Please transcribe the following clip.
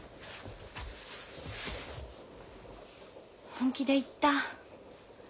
本気で言った。